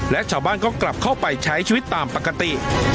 และชาวบ้านก็กลับเข้าไปใช้ชีวิตตามปกติ